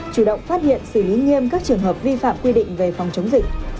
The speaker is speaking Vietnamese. chủ động phát hiện xử lý nghiêm các trường hợp vi phạm quy định về phòng chống dịch